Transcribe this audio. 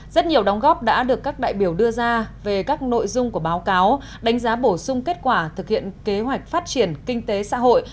rất nhiều đóng góp đã được các đại biểu đưa ra về các nội dung của báo cáo đánh giá bổ sung kết quả thực hiện kế hoạch phát triển kinh tế xã hội